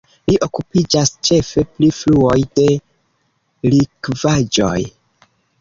Li okupiĝas ĉefe pri fluoj de likvaĵoj.